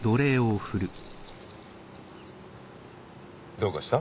どうかした？